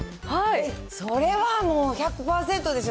それはもう、１００％でしょ。